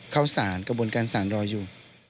เข้าสารกระบวนการสารรออยู่